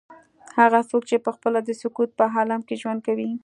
هغه څوک چې پخپله د سکوت په عالم کې ژوند کوي.